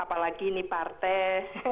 apalagi ini partai